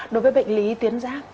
đối với bệnh lý tuyến giáp